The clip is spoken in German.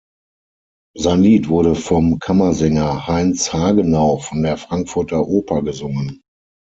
Sein Lied wurde vom Kammersänger Heinz Hagenau von der Frankfurter Oper gesungen.